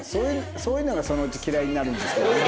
そういうのがそのうち嫌いになるんですけどね。